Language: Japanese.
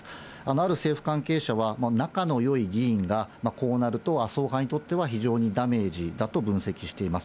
ある政府関係者は、仲のよい議員がこうなると、麻生派にとっては非常にダメージだと分析しています。